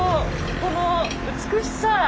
この美しさ！